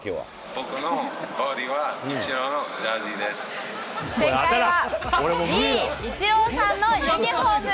僕のバディは、イチローのジ正解はＢ、イチローさんのユニホーム。